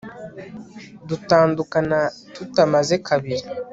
dutandukana tutamaze kabiri